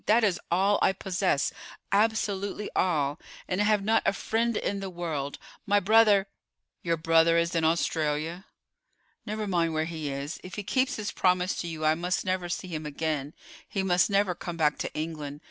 That is all I possess, absolutely all, and I have not a friend in the world. My brother——" "Your brother is in Australia?" "Never mind where he is. If he keeps his promise to you I must never see him again; he must never come back to England.